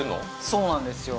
そうなんですよ